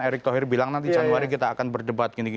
erick thohir bilang nanti januari kita akan berdebat